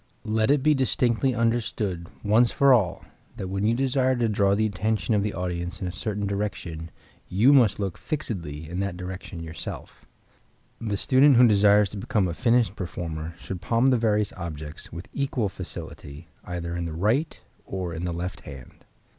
Let it be distinctly understood once for all that when you desire to draw the attention of the audience in a certain direction you must look fixedly in that direction yourself. The student who desires to become a finished performer should palm the various objects, with equal facility, either in the right or in the left hand.